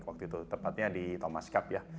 waktu itu tepatnya di thomas cup ya